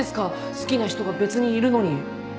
好きな人が別にいるのに。